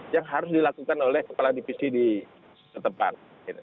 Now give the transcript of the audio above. yang harus dilakukan oleh kepala divisi di setempat